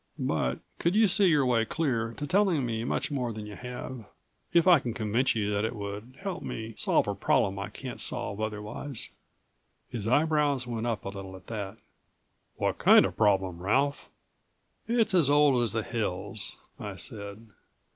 "But could you see your way clear to telling me much more than you have, if I can convince you that it would help me solve a problem I can't solve otherwise." His eyebrows went up a little at that. "What kind of problem, Ralph?" "It's as old as the hills," I said.